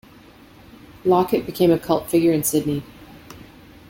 Lockett became a cult figure in Sydney.